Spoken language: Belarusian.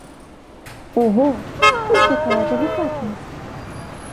Ого, скуль такая далікатнасць?